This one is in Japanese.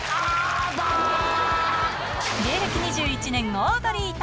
芸歴２１年、オードリーと。